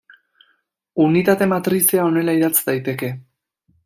Unitate matrizea honela idatz daiteke.